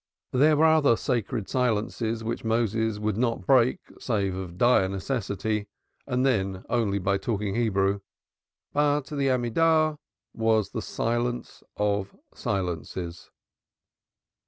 There were other sacred silences which Moses would not break save of dire necessity and then only by talking Hebrew; but the Amidah was the silence of silences.